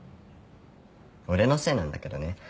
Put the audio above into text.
俺のせいなんだけどね。